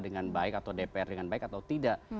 dengan baik atau dpr dengan baik atau tidak